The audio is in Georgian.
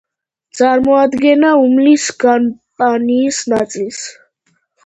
წარმოადგენდა ულმის კამპანიის ნაწილს.